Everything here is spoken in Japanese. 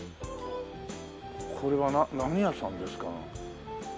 これは何屋さんですか？